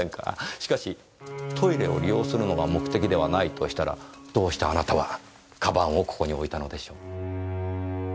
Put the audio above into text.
しかしトイレを利用するのが目的ではないとしたらどうしてあなたは鞄をここに置いたのでしょう？